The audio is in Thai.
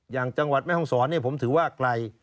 อย่างจังหวัดแม่ห้องศรผมถือว่าไกล